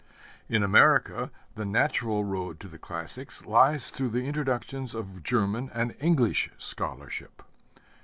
In America the natural road to the classics lies through the introductions of German and English scholarship.